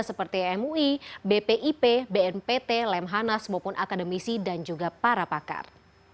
seperti mui bpip bnpt lemhanas maupun akademisi dan juga para pakar